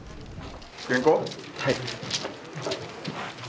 はい。